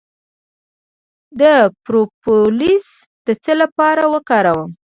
د پروپولیس د څه لپاره وکاروم؟